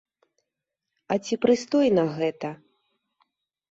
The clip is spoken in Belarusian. А ці прыстойна гэта?